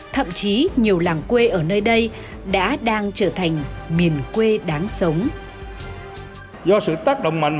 thậm chí nhiều làng quê ở nơi đây đã đang trở thành miền quê đáng sống